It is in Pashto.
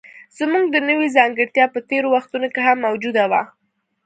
زموږ د نوعې ځانګړتیا په تېرو وختونو کې هم موجوده وه.